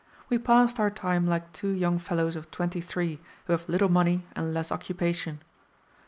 We passed our time like two young fellows of twenty three who have little money and less occupation.